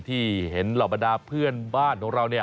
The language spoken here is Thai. ที่เห็นหลับประดาษเพื่อนบ้านของเราเนี่ย